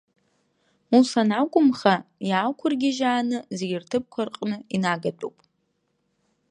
Ус анакәымха, иаақәыргьежьааны зегьы рҭыԥқәа рҟны инагатәуп.